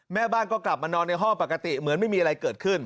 แม่บ้านก็กลับมานอนในห้องปกติเหมือนไม่มีอะไรเกิดขึ้น